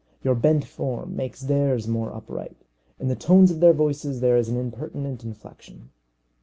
Your bent form makes theirs more upright. In the tones of their voices there is an impertinent inflexion.